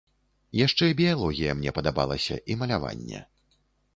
Яшчэ біялогія мне падабалася і маляванне.